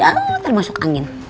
aaaa termasuk angin